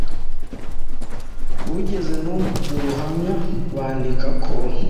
bugeze no mu buhamya bandika ko